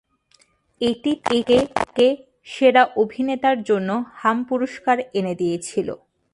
এটি তাকে সেরা অভিনেতার জন্য হাম পুরষ্কার এনে দিয়েছিল।